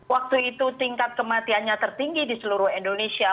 waktu itu tingkat kematiannya tertinggi di seluruh indonesia